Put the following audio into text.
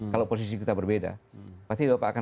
kalau posisi kita berbeda pasti bapak akan